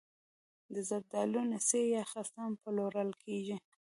د زردالو نڅي یا خسته هم پلورل کیږي.